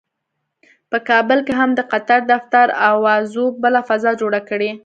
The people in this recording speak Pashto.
په کابل کې هم د قطر دفتر اوازو بله فضا جوړه کړې.